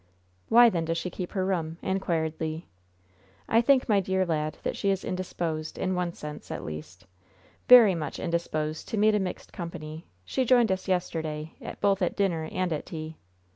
Why, then, does she keep her room?" inquired Le. "I think, my dear lad, that she is indisposed, in one sense, at least very much indisposed to meet a mixed company. She joined us yesterday both at dinner and at tea."